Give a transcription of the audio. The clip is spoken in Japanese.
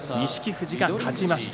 富士が勝ちました。